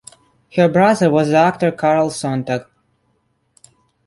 Her brother was the actor Karl Sontag.